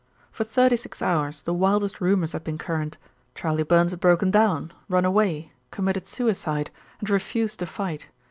For thirty six hours the wildest rumours had been current. Charley Burns had broken down, run away, committed suicide, and refused to fight.